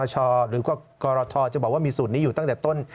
หรือกรทจะบอกว่ามีสูตรนี้อยู่ตั้งแต่ต้น